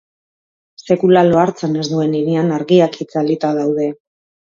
Sekula lo hartzen ez duen hirian argiak itzalita daude.